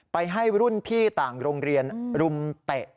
ไปให้รุ่นพี่ต่างโรงเรียนรุมเตะ